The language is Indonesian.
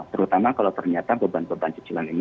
terutama kalau ternyata beban beban cicilan ini